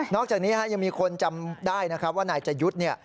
อกจากนี้ยังมีคนจำได้นะครับว่านายจยุทธ์เนี่ย